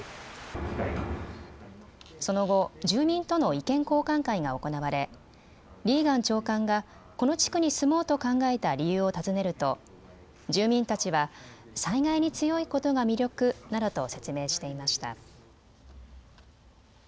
その後、住民との意見交換会が行われリーガン長官がこの地区に住もうと考えた理由を尋ねると住民たちは災害に強いことが魅力などと説明していました。